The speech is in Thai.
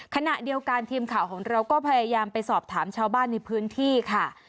ขณะเดียวกันทีมข่าวของเราก็พยายามไปสอบถามชาวบ้านในพื้นที่ค่ะ